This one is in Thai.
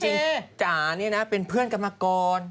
จริงจ๋าเป็นเพื่อนกับมากร